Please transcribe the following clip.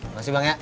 makasih bang ejak